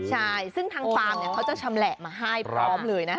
ใช่ซึ่งทางฟาร์มเขาจะชำแหละมาให้พร้อมเลยนะคะ